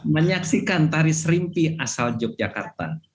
menyaksikan taris rimpi asal yogyakarta